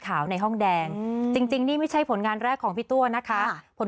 ในห้องแดงจริงนี่ไม่ใช่ผลงานแรกของพี่ตัวนะคะผล